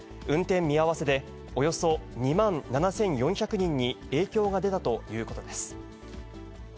運転見合わせで、およそ２万７４００人に影響が出たということです。